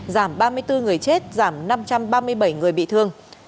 giảm ba mươi bốn người chết giảm năm trăm ba mươi bảy người bị thương